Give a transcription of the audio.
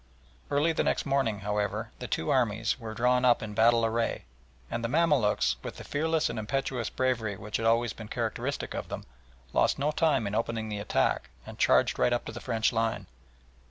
Early the next morning, however, the two armies were drawn up in battle array, and the Mamaluks, with the fearless and impetuous bravery which had always been characteristic of them, lost no time in opening the attack and charged right up to the French line.